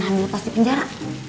aminu pasti penjara